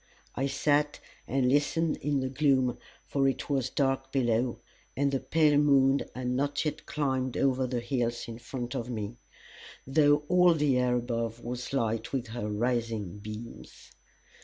I sat and listened in the gloom, for it was dark below, and the pale moon had not yet climbed over the hills in front of me, though all the air above was light with her rising beams.